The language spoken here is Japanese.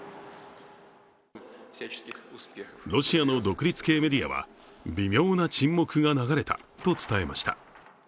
ロシアの独立系メディアは微妙な沈黙が流れたと伝えました。